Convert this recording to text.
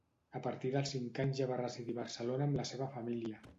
A partir dels cinc anys ja va residir a Barcelona amb la seva família.